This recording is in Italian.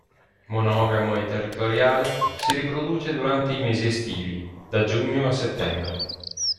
Monogamo e territoriale, si riproduce durante i mesi estivi, da giugno a settembre.